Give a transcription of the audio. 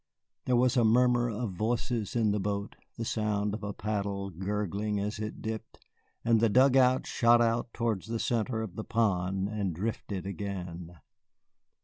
There was a murmur of voices in the boat, the sound of a paddle gurgling as it dipped, and the dugout shot out towards the middle of the pond and drifted again.